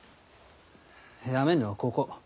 やめるのはここ。